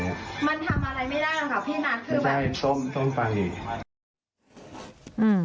ไม่ใช่ส้มฟังดิ